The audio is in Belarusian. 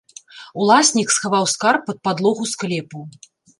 Уласнік схаваў скарб пад падлогу склепу.